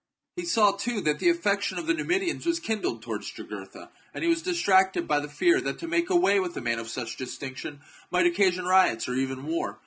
He saw, too, that the affection of the Numid ians was kindled towards Jugurtha, and he was distracted by the fear that to make away with a man of such distinction might occasion riots or even war.